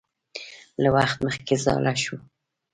له وخت مخکې زاړه شو